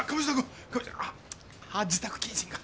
ああ自宅謹慎か！